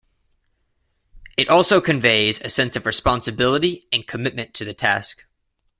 It also conveys a sense of responsibility and commitment to the task.